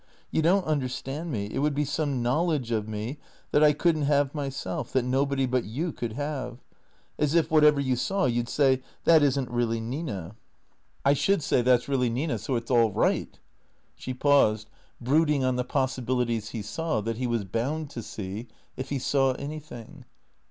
You don't understand me. It would be some knowledge of me that I could n't have myself, that nobody but you could have. As if whatever you saw you 'd say, ' That'is n't really Nina,' " 184 THE CEEATOES " I should say, ' That 's really Nina, so it 's all right.' " She paused, brooding on the possibilities he saw, that he was bound to see, if he saw anything.